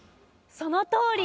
そのとおり。